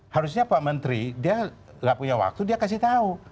harusnya pak menteri dia gak punya waktu dia kasih tahu